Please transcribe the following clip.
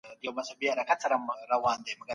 مثبت فکر کار نه خرابوي.